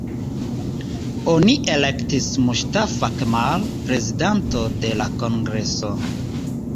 Oni elektis Mustafa Kemal prezidanto de la kongreso.